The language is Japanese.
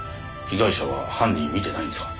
被害者は犯人見てないんですか？